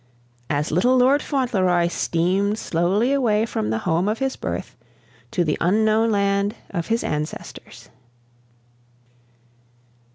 as little Lord Fauntleroy steamed slowly away from the home of his birth to the unknown land of his ancestors.